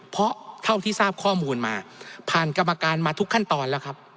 เพราะเท่าที่ทราบข้อมูลมาผ่านกรรมการมาทุกขั้นตอนแล้วครับ